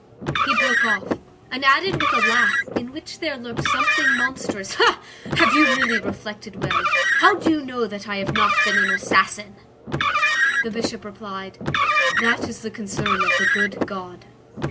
He broke off, and added with a laugh in which there lurked something monstrous:— "Have you really reflected well? How do you know that I have not been an assassin?" The Bishop replied:— "That is the concern of the good God."